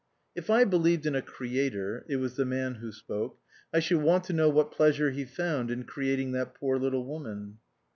" If I believed in a Creator " (it was the man who spoke), "I should want to know what pleasure he found in creating that poor little woman."